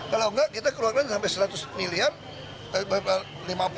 kalau enggak kita keluarkan sampai seratus miliar lima puluh enam puluh triliun enggak lucu